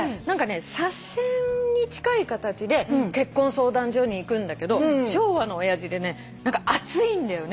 左遷に近い形で結婚相談所に行くんだけど昭和の親父でね熱いんだよね。